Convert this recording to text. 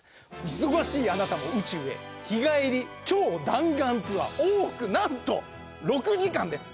忙しいアナタも宇宙へ日帰り超弾丸ツアー往復なんと６時間です。